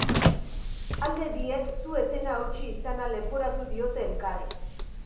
Alde biek su-etena hautsi izana leporatu diote elkarri.